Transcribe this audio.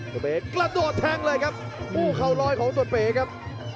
ตัวเป๋กระโดดแทงเลยครับผู้เข้ารอยของตัวเป๋ครับ